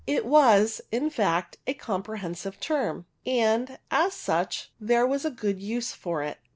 It was, in fact, a comprehensive term, and as such there was a good use for it.